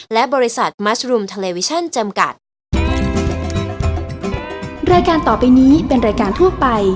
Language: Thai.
และบริษัทมัสรุมทะเลวิชั่นจำกัดรายการต่อไปนี้เป็นรายการทั่วไป